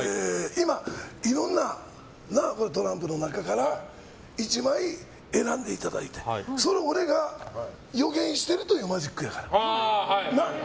今、いろんなトランプの中から１枚、選んでいただいてそれを俺が予言してるというマジックやから。